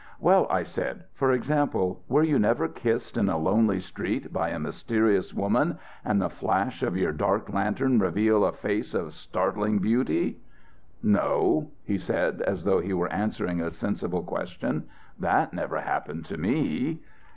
"Well," I said, "for example, were you never kissed in a lonely street by a mysterious woman and the flash of your dark lantern reveal a face of startling beauty?" "No," he said, as though he were answering a sensible question, "that never happened to me."